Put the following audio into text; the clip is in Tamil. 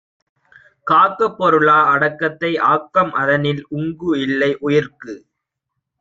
காக்க பொருளா அடக்கத்தை ஆக்கம் அதனின் உங்கு இல்லை உயிர்க்கு.